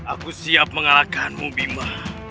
aku siap mengalahkanmu bima